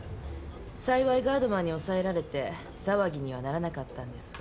幸いガードマンに押さえられて騒ぎにはならなかったんですが。